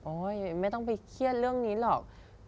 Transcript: ไม่ต้องไปเครียดเรื่องนี้หรอก